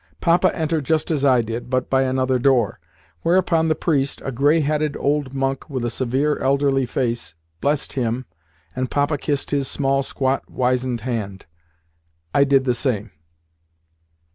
Papa entered just as I did, but by another door: whereupon the priest a grey headed old monk with a severe, elderly face blessed him, and Papa kissed his small, squat, wizened hand. I did the same.